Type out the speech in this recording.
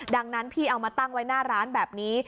ดังนั้นพี่เอามาตั้งไว้หน้าร้านแบบนี้